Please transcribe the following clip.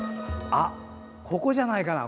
あっ、ここじゃないかな。